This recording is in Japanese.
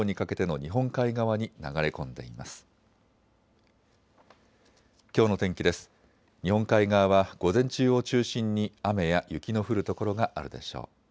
日本海側は午前中を中心に雨や雪の降る所があるでしょう。